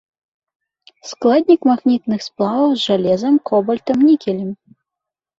Складнік магнітных сплаваў з жалезам, кобальтам, нікелем.